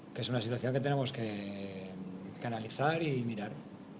ini adalah situasi yang harus kita analisis dan melihat